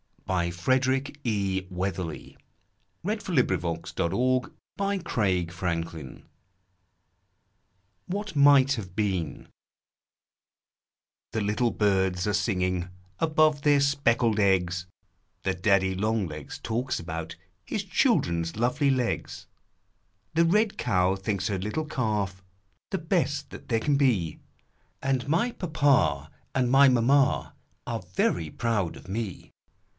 Little white Lilv V Is happy again ! GEORGE MACDONALD. 68 WISHING WHAT MIGHT HAVE BEEN The little birds are singing Above their speckled eggs, The daddy long legs talks about His children's lovely legs ; The red cow thinks her little calf The best that there can be, And my papa and my mamma Are very proud of me